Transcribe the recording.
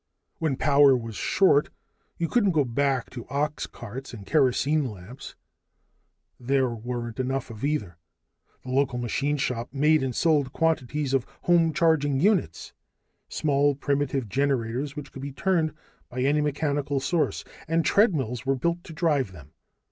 When power was short, you couldn't go back to oxcarts and kerosene lamps. There weren't enough of either. The local machine shop made and sold quantities of home charging units, small primitive generators which could be turned by any mechanical source, and treadmills were built to drive them.